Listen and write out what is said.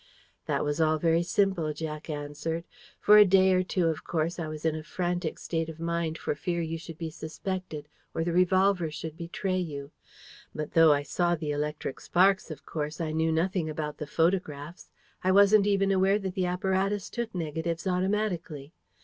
"That was all very simple," Jack answered. "For a day or two, of course, I was in a frantic state of mind for fear you should be suspected, or the revolver should betray you. But though I saw the electric sparks, of course, I knew nothing about the photographs. I wasn't even aware that the apparatus took negatives automatically.